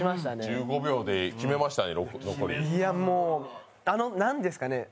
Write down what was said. １５秒で決めましたね。